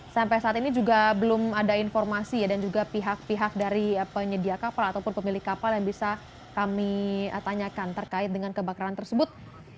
sampai saat ini juga belum ada informasi dan juga pihak pihak dari penyedia kapal ataupun pemilik kapal yang bisa kami tanyakan terkait dengan kebakaran tersebut